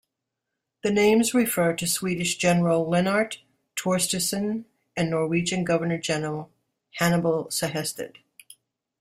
The names refer to Swedish general Lennart Torstenson and Norwegian governor-general Hannibal Sehested.